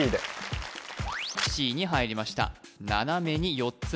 Ｃに入りました